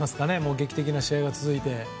劇的な試合が続いて。